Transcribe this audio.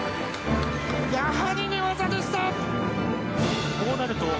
やはり寝技でした。